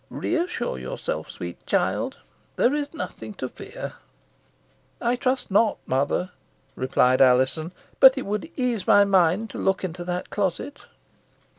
Reassure yourself, sweet child. There is nothing to fear." "I trust not, mother," replied Alizon. "But it would ease my mind to look into that closet."